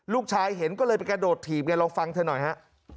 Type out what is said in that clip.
ลูกชายเห็นก็เลยไปกระโดดถีบไงลองฟังเธอหน่อยฮะ